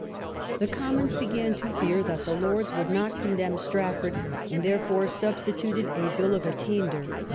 The Commons began to fear that the Lords would not condemn Strafford, and there fore substituted a Bill of Attainder.